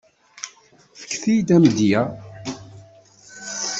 Efket-iyi-d amedya.